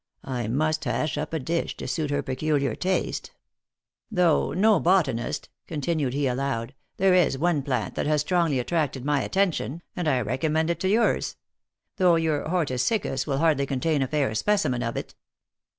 " I must hash up a dish to suit her peculiar taste. Though no botanist," continued he aloud, " there is one plant that has strongly attracted my attention, and I recom mend it to yours; though your hortus siccus will hardly contain a fair specimen of it."